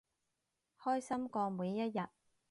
開心過每一日